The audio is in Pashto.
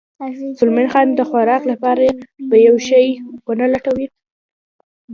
زلمی خان د خوراک لپاره به یو شی و نه لټوې؟